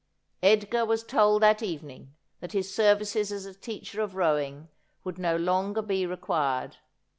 Edgar was told that evening that his services as a teacher of rowing would no longer be required.